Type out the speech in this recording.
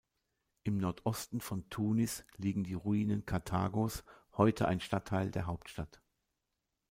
Im Nordosten von Tunis liegen die Ruinen Karthagos, heute ein Stadtteil der Hauptstadt.